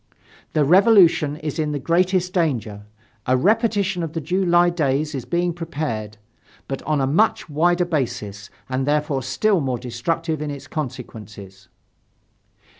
"The Revolution is in the greatest danger. A repetition of the July days is being prepared but on a much wider basis and therefore still more destructive in its consequences."